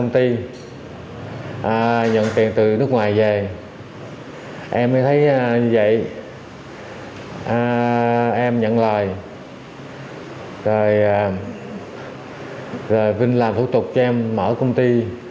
thì cho em năm cái